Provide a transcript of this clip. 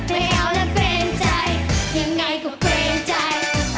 ไม่เอานะเกรงใจไม่ดีหรอกเกรงใจ